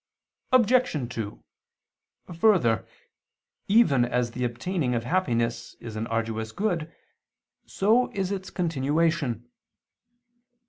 Obj. 2: Further, even as the obtaining of happiness is an arduous good, so is its continuation.